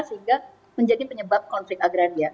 sehingga menjadi penyebab konflik agraria